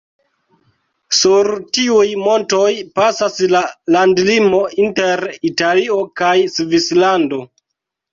Sur tiuj montoj pasas la landlimo inter Italio kaj Svislando.